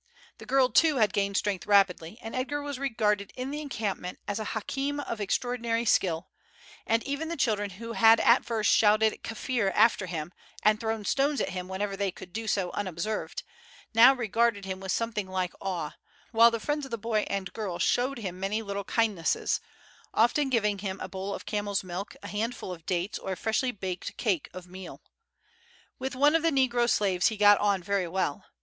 The girl too had gained strength rapidly, and Edgar was regarded in the encampment as a Hakim of extraordinary skill; and even the children who had at first shouted Kaffir after him, and thrown stones at him whenever they could do so unobserved, now regarded him with something like awe, while the friends of the boy and girl showed him many little kindnesses, often giving him a bowl of camels' milk, a handful of dates, or a freshly baked cake of meal. With one of the negro slaves he got on very well.